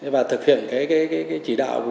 và thực hiện cái chỉ đạo của